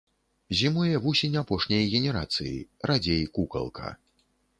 Зімуе вусень апошняй генерацыі, радзей кукалка.